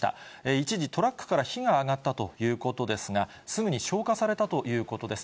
一時、トラックから火が上がったということですが、すぐに消火されたということです。